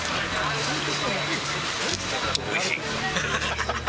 おいしい。